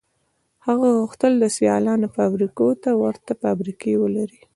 هغه غوښتل د سیالانو فابریکو ته ورته فابریکې ولري